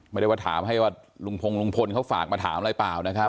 ไม่ได้ว่าถามให้ว่าลุงพงลุงพลเขาฝากมาถามอะไรเปล่านะครับ